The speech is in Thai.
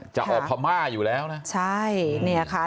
จะออกพม่าอยู่แล้วนะใช่เนี่ยค่ะ